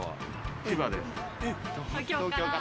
千葉です。